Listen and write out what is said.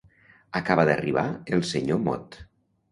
Acaba d'arribar el senyor Mot.